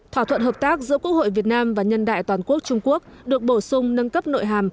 thỏa thuận hợp tác giữa quốc hội việt nam và nhân đại toàn quốc trung quốc được bổ sung nâng cấp nội hàm